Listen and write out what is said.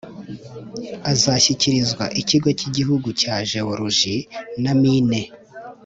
Azashyikirizwa Ikigo cy’Igihugu cya Jeworoji na Mine